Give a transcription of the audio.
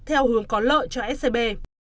theo hướng có lợi cho scb